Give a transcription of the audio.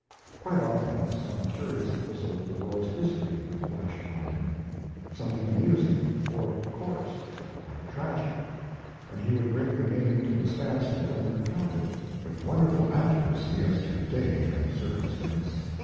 Quite often some curious episode of the world's history would flash upon him something amusing, or coarse, or tragic, and he would bring the game to a standstill and recount it with wonderful accuracy as to date and circumstance.